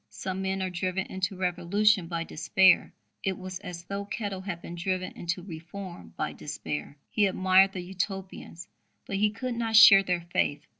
Some men are driven into revolution by despair: it was as though Kettle had been driven into reform by despair. He admired the Utopians, but he could not share their faith.